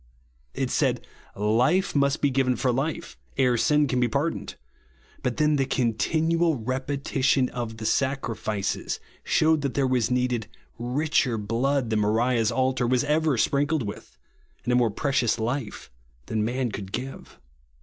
It said life must be given for life, ere sin can be pardoned ; but then the continual repetition of the sacrifices shewed that there was needed " richer blood " than Moriah's altar was ever sprinkled with, and a more precious life than man could give.